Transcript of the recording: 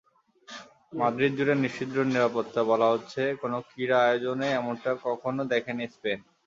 মাদ্রিদজুড়ে নিশ্ছিদ্র নিরাপত্তা, বলা হচ্ছে কোনো ক্রীড়া আয়োজনে এমনটা কখনো দেখেনি স্পেন।